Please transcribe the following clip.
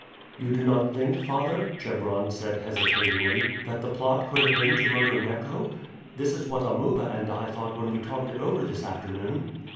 "You do not think, father," Chebron said hesitatingly, "that the plot could have been to murder Neco? This is what Amuba and I thought when we talked it over this afternoon."